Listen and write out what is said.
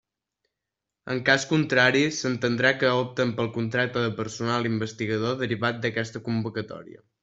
En cas contrari, s'entendrà que opten pel contracte de personal investigador derivat d'aquesta convocatòria.